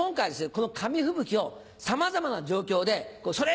この紙吹雪をさまざまな状況でそれ！